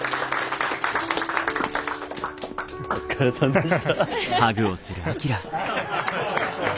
お疲れさんでした。